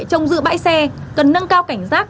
trong dự bãi xe cần nâng cao cảnh giác